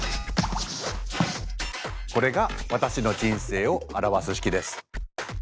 これが私の人生を表す式です。